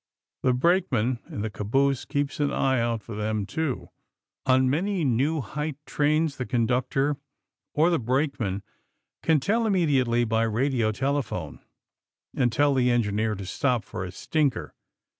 The brakeman in the caboose keeps an eye out for them, too. On many new height trains the conductor or the brakeman can call immediately by radio telephone and tell the engineer to stop for a stinker.